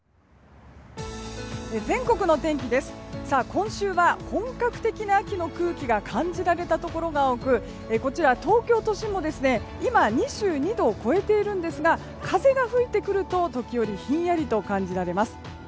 今週は、本格的な秋の空気が感じられたところが多くこちら東京都心も今、２２度を超えていますが風が吹いてくると時折ひんやりと感じられます。